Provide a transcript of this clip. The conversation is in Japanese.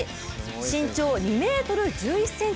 身長２ｍ１１ｃｍ